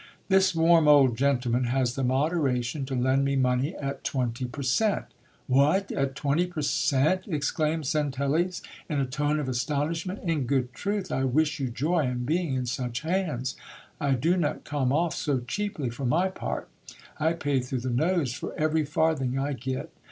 This warm old gentleman has the moderation to lend me money at twenty per cent." vt What ! at twenty per cent, t exclaimed Centelles in a tone of astonishment. ,v In good truth ! I wish you joy on being in such hands. I do not come off so cheaply, for my part : I pay through the nose for every farthing I get.